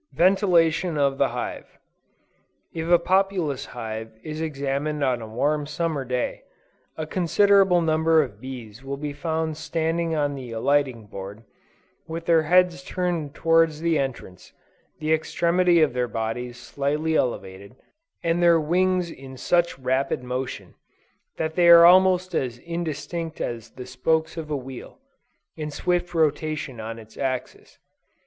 VENTILATION OF THE HIVE. If a populous hive is examined on a warm Summer day, a considerable number of bees will be found standing on the alighting board, with their heads turned towards the entrance, the extremity of their bodies slightly elevated, and their wings in such rapid motion that they are almost as indistinct as the spokes of a wheel, in swift rotation on its axis.